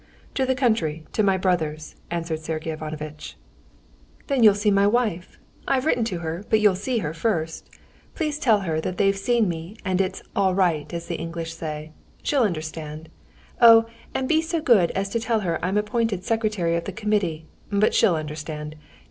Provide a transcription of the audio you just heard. "To the country, to my brother's," answered Sergey Ivanovitch. "Then you'll see my wife. I've written to her, but you'll see her first. Please tell her that they've seen me and that it's 'all right,' as the English say. She'll understand. Oh, and be so good as to tell her I'm appointed secretary of the committee.... But she'll understand!